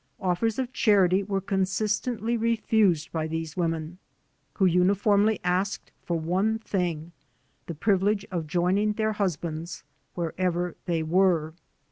Of fers of charity were consistently refused by these women, who uniformly asked for one thing — ^the privilege of joining their husbands, wherever they were.